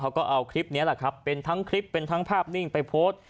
เขาก็เอาคลิปนี้แหละครับเป็นทั้งคลิปเป็นทั้งภาพนิ่งไปโพสต์